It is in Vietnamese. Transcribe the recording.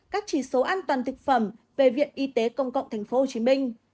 các chỉ số an toàn thực phẩm về viện y tế công cộng tp hcm